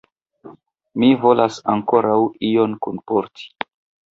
Mi volas ankoraŭ ion kunporti.